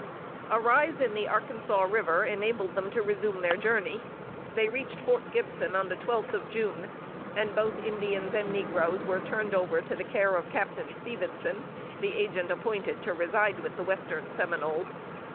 A rise in the Arkansas River enabled them to resume their journey. They reached Fort Gibson on the twelfth of June, and both Indians and negroes were turned over to the care of Captain Stephenson, the agent appointed to reside with the Western Seminoles.